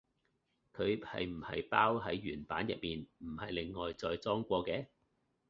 佢係唔係包喺原版入面，唔係另外再裝過嘅？